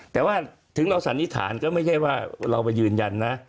แต่ว่าถึงเราสันนิษฐานก็ไม่ใช่ว่าเราไปยืนยันนะ